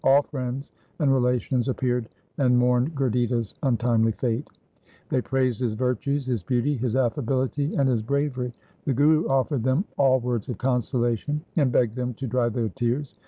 All friends and relations appeared and mourned Gurditta's un timely fate. They praised his virtues, his beauty, his affability, and his bravery. The Guru offered LIFE OF GURU HAR GOBIND 223 them all words of consolation, and begged them to dry their tears.